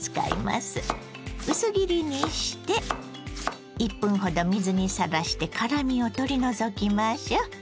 薄切りにして１分ほど水にさらして辛みを取り除きましょう。